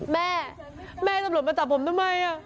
แม่แม่ตำรวจมาจับผมทำไม